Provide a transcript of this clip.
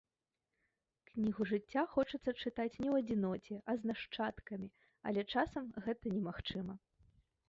Кнігу жыцця хочацца чытаць не ў адзіноце, а з нашчадкамі, але часам гэта немагчыма.